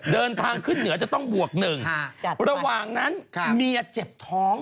เดินทางขึ้นเหนือจะต้องบวกหนึ่งระหว่างนั้นเมียเจ็บท้อง